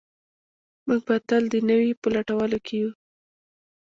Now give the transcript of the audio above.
موږ به تل د نوي په لټولو کې یو.